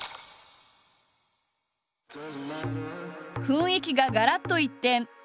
雰囲気ががらっと一転。